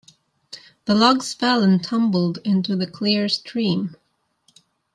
The logs fell and tumbled into the clear stream.